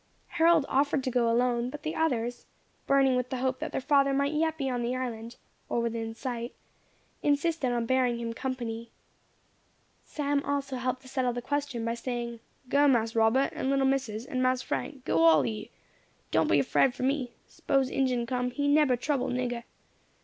Harold offered to go alone; but the others, burning with the hope that their father might yet be on the island, or within sight, insisted on bearing him company. Sam also helped to settle the question, by saying: "Go, Mas Robbut, and little Missus, and Mas Frank; go all o' you. Don't be 'fraid for me; s'pose Injin come, he nebber trouble nigger."